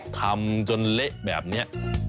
ทำจนเละแบบนี้